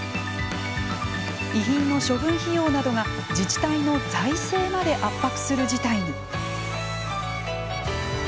遺品の処分費用などが自治体の財政まで圧迫する事態に。